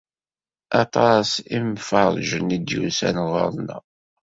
Aṭas imferrjen i d-yusan ɣur-neɣ.